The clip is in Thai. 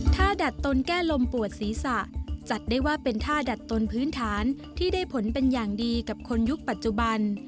ถ้าดัดตนแก้ลมปวดศีรษะจัดได้ว่าเป็นท่าดัดตนพื้นฐานที่ได้ผลเป็นอย่างดีกับคนยุคปัจจุบัน